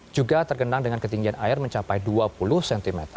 juga tergenang dengan ketinggian air mencapai dua puluh cm